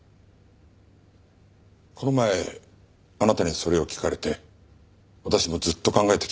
この前あなたにそれを聞かれて私もずっと考えてきました。